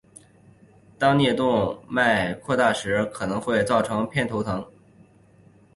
当颞动脉扩大时可能会造成偏头痛。